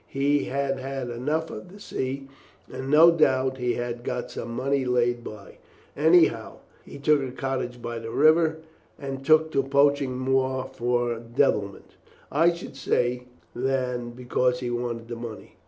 He had had enough of the sea, and no doubt he had got some money laid by; anyhow, he took a cottage by the river, and took to poaching, more for devilment, I should say, than because he wanted the money.